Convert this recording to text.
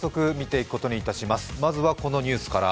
まずはこのニュースから。